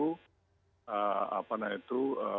lebih dahulu apa namanya itu